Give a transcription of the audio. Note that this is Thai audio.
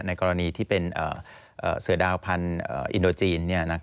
กรณีที่เป็นเสือดาวพันธุ์อินโดจีน